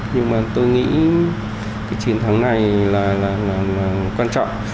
nhưng mà tôi nghĩ cái chiến thắng này là quan trọng